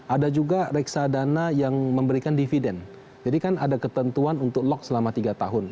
ada juga reksadana yang memberikan dividen jadi kan ada ketentuan untuk lock selama tiga tahun